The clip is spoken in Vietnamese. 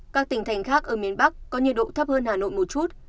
các tỉnh thành khác ở miền bắc có nhiệt độ thấp hơn hà nội một chút